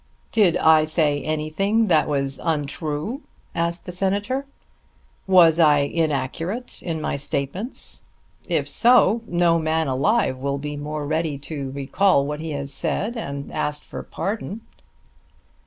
"Did I say anything that was untrue?" asked the Senator "Was I inaccurate in my statements? If so no man alive will be more ready to recall what he has said and to ask for pardon."